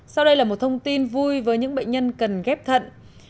sau đây là một thông tin vui với những bệnh nhân cần ghép thận